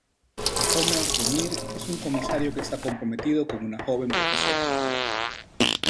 Ömer Demir es un comisario que está comprometido con una joven profesora.